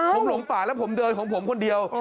ผมหลงป่าแล้วผมเดินของผมคนเดียว